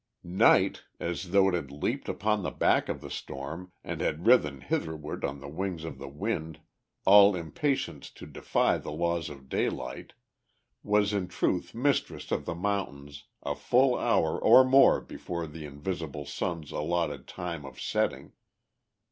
Night, as though it had leaped upon the back of the storm and had ridden hitherward on the wings of the wind all impatience to defy the laws of daylight, was in truth mistress of the mountains a full hour or more before the invisible sun's allotted time of setting.